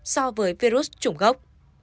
so với virus chủng gốc